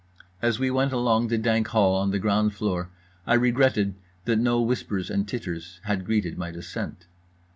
As we went along the dank hall on the ground floor, I regretted that no whispers and titters had greeted my descent.